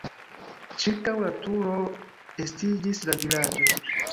Ĉirkaŭ la turo estiĝis la vilaĝo.